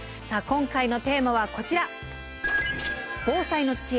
今回のテーマはこちら。